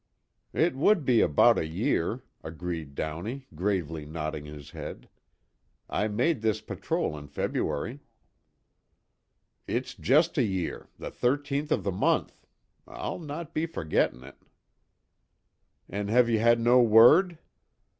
"It would be about a year," agreed Downey, gravely nodding his head. "I made this patrol in February." "It's just a year the thirteenth of the month. I'll not be forgetting it." "An' have you had no word?"